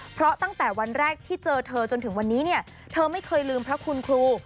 เพราะตั้งแต่วันแรกที่เจอเธอจนถึงวันนี้เนี่ยเธอไม่เคยลืมพระคุณครู